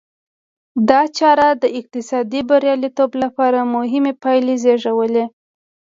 دا چاره د اقتصادي بریالیتوب لپاره مهمې پایلې زېږوي.